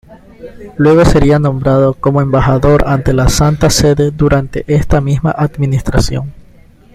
Luego sería nombrado como embajador ante la Santa Sede durante esta misma administración.